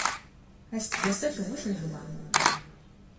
Aseggas-a tewwet lehwa.